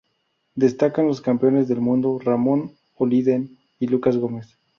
Destacan los campeones del mundo Ramón Oliden y Lucas Gómez.